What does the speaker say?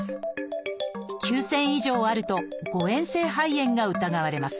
９，０００以上あると誤えん性肺炎が疑われます。